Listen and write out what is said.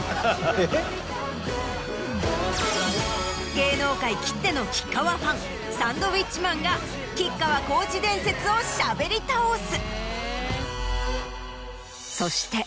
芸能界きっての吉川ファンサンドウィッチマンが吉川晃司伝説をしゃべり倒す。